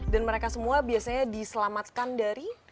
dan mereka semua biasanya diselamatkan dari